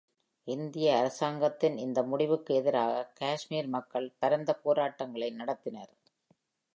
இந்திய அரசாங்கத்தின் இந்த முடிவுக்கு எதிராக, காஷ்மீர் மக்கள் பரந்த போராட்டங்களை நடத்தினர்.